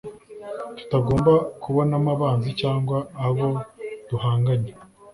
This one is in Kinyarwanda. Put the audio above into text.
tutagomba kubonamo abanzi cyangwa abo duhanganye